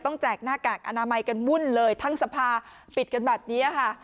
แจกหน้ากากอนามัยกันวุ่นเลยทั้งสภาปิดกันแบบนี้ค่ะ